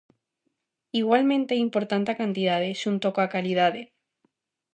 Igualmente é importante a cantidade, xunto coa calidade.